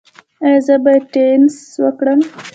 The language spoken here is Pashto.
ایا زه باید ټینس وکړم؟